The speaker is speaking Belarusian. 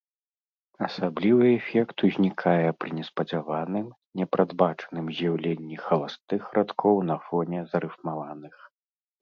Асаблівы эфект узнікае пры неспадзяваным, непрадбачаным з'яўленні халастых радкоў на фоне зарыфмаваных.